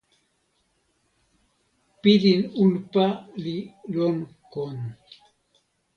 pilin unpa li lon kon.